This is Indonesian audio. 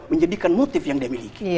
menjadikan motif yang dia miliki